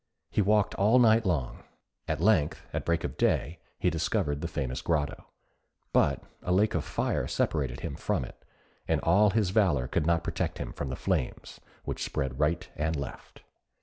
He walked all night long; at length, at break of day, he discovered the famous grotto; but a lake of fire separated him from it, and all his valour could not protect him from the flames, which spread right and left.